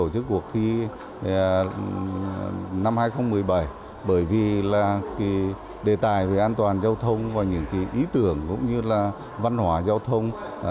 đi năm hai nghìn một mươi bảy bởi vì là cái đề tài về an toàn giao thông và những cái ý tưởng cũng như là văn hóa giao thông